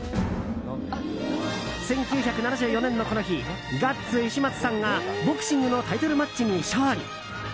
１９７４年のこの日ガッツ石松さんがボクシングのタイトルマッチに勝利。